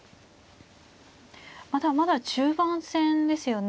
まだまだ中盤戦ですよね。